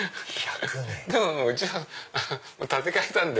でもうちは建て替えたんで。